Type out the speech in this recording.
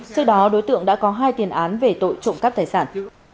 sau đó đối tượng đã có hai tiền án về tội trộm cắp tài sản